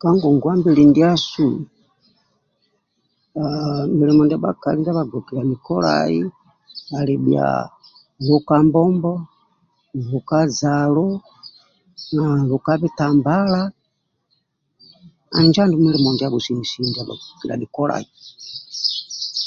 Ka ngongwa mbili ndiasu haaa milimo ndia bhakali ndia bhagbokiliani kolai ali bhia luka mbombo luka zalu luka bitambala injo andulu mulimo ndiabho ndia bhagbokiliani kolia